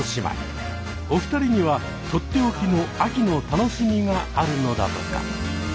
お二人には取って置きの秋の楽しみがあるのだとか。